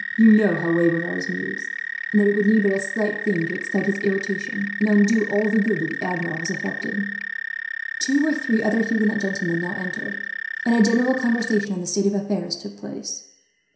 You know how wayward are his moods, and that it would need but a slight thing to excite his irritation, and undo all the good that the Admiral has effected." Two or three other Huguenot gentlemen now entered, and a general conversation on the state of affairs took place.